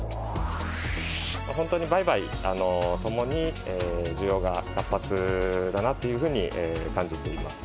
本当に売買ともに、需要が活発だなというふうに感じています。